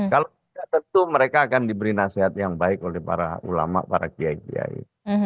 kalau tidak tentu mereka akan diberi nasihat yang baik oleh para ulama para kiai kiai